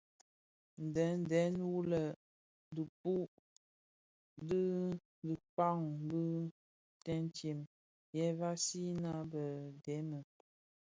Ndhèňdèn wu lè dhipud bi dikag di tëtsem, ye vansina a dhemi,